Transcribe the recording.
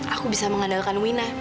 aku bisa mengandalkan wina